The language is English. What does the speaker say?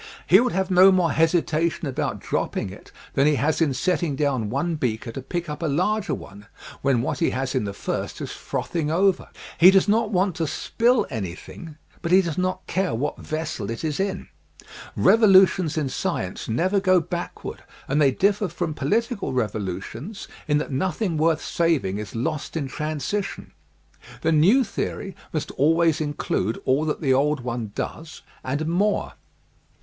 He would have no more hesitation about dropping it than he has in setting down one beaker to pick up a larger one when what he has in the first is frothing over. He does not want to spill any thing, but he does not care what vessel it is in. Revolu tions in science never go backward and they differ from political revolutions in that nothing worth saving is lost in transition. The new theory must always in clude all that the old one does and more.